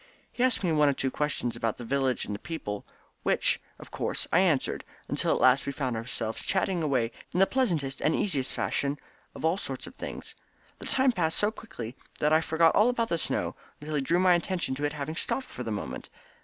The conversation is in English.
He asked me one or two questions about the village and the people, which, of course, I answered, until at last we found ourselves chatting away in the pleasantest and easiest fashion about all sorts of things. The time passed so quickly that I forgot all about the snow until he drew my attention to its having stopped for the moment.